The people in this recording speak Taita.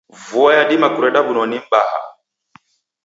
Vua yadima kureda wunoni m'baha.